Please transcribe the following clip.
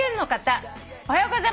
「おはようございます」